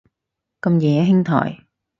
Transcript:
咁夜啊兄台